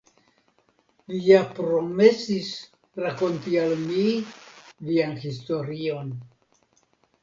Vi ja promesis rakonti al mi vian historion.